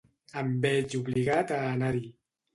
Em veig obligat a anar-hi.